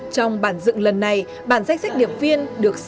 trong bản dựng lần này bản danh sách điệp viên được xử lý